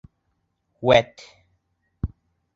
Үәт!..